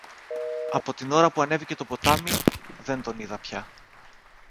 Από την ώρα που ανέβηκε το ποτάμι, δεν τον είδα πια.